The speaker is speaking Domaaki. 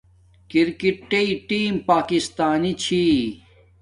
کرکٹ ٹیم پاکستانݵ چھی